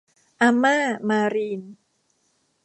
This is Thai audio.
อาม่า มารีน